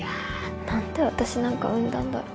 何で私なんか生んだんだろう。